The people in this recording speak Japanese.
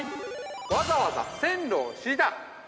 ◆わざわざ線路を敷いた。